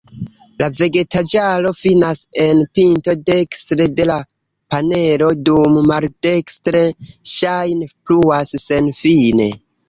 La vegetaĵaro finas en pinto dekstre de la panelo, dum maldekstre ŝajne pluas senfine.